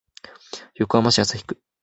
横浜市旭区